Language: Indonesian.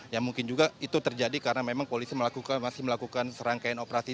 ya mungkin juga itu terjadi karena memang polisi masih melakukan serangkaian operasi